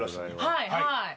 はいはい。